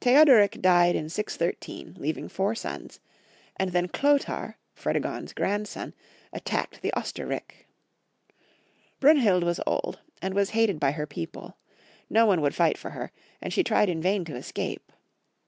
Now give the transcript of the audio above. Theuderick died in 613, leaving four sons; and then Clilotar, Fredegond's grandson, attacked the Oster rik. Brunhild was old, and was hated by her people ; no one would fight for her, and she tried in vain to escape.